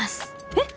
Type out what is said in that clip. えっ？